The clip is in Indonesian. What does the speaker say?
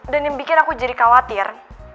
dan yang bikin aku jadi khawatir